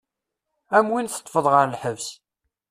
Am win teṭṭfeḍ ɣer lḥebs.